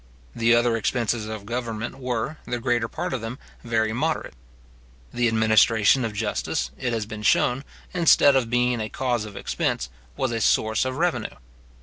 The other expenses of government were, the greater part of them, very moderate. The administration of justice, it has been shewn, instead of being a cause of expense was a source of revenue.